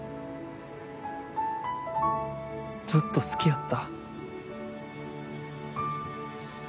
ずっと好きやった。